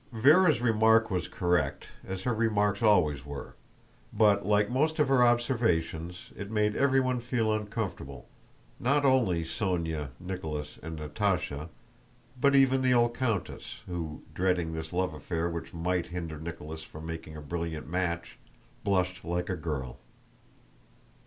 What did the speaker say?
Véra's remark was correct, as her remarks always were, but, like most of her observations, it made everyone feel uncomfortable, not only Sónya, Nicholas, and Natásha, but even the old countess, who—dreading this love affair which might hinder Nicholas from making a brilliant match—blushed like a girl.